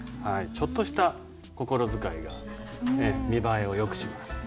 ちょっとした心遣いが見栄えをよくします。